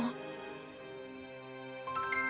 kenapa aku merasa seolah olah aku mengenalmu